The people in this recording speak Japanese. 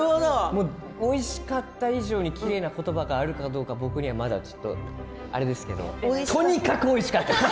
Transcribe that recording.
おいしかった以上にきれいな言葉があるかどうか僕にはまだちょっとあれですけれどもとにかくおいしかったです！